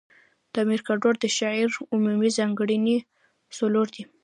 د امیر کروړ د شعر عمومي ځانګړني څلور دي.